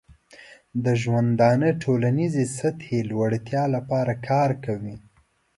د ژوندانه ټولنیزې سطحې لوړتیا لپاره کار کوي.